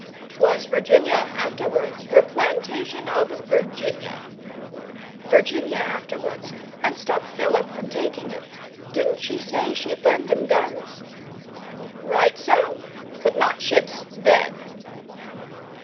''Twas Virginia after wards. Her plantation of Virginia.' 'Virginia afterwards, and stop Philip from taking it. Didn't she say she'd lend 'em guns?' 'Right so. But not ships then.